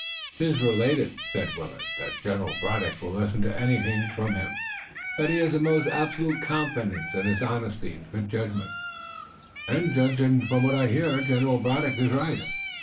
"Tis related," said Willet, "that General Braddock will listen to anything from him, that he has the most absolute confidence in his honesty and good judgment, and, judging from what I hear, General Braddock is right."